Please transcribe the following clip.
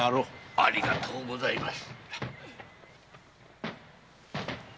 ありがとうございます。